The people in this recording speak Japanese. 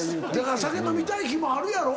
酒飲みたい日もあるやろ？